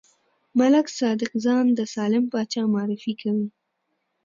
ملک صادق ځان د سالم پاچا معرفي کوي.